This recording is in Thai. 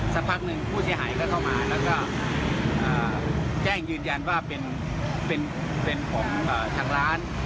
สักพักหนึ่งผู้เสียหายก็เข้ามาแล้วก็แจ้งยืนยันว่าเป็นของทางร้าน